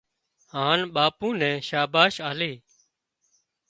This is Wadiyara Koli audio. هانَ ٻاپو نين شاباس آلي